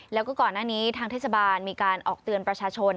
แล้วก็ก่อนหน้านี้ทางเทศบาลมีการออกเตือนประชาชน